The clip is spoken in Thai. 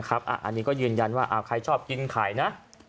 อันนี้ก็ยืนยันว่าใครชอบกินไข่นะ